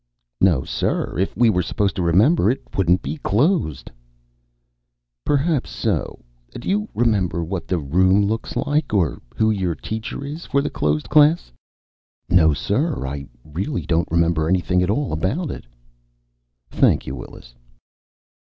"No, sir. If we were supposed to remember, it wouldn't be closed." "Perhaps so. Do you remember what the room looks like, or who your teacher is for the closed class?" "No, sir. I really don't remember anything at all about it." "Thank you. Willis."